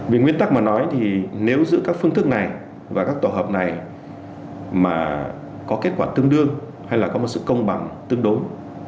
về nguyên tắc mà nói thì nếu giữ các phương thức này và các tổ hợp này mà có kết quả tương đương hay là có một sự công bằng tương đối